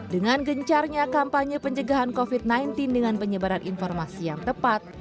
dengan gencarnya kampanye pencegahan covid sembilan belas dengan penyebaran informasi yang tepat